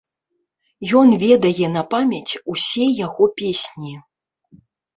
Ён ведае на памяць усе яго песні.